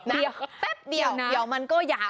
แป๊บเดี๋ยวเดี๋ยวมันก็ยาว